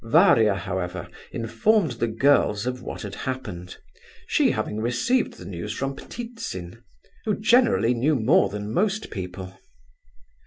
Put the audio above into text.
Varia, however, informed the girls of what had happened, she having received the news from Ptitsin, who generally knew more than most people.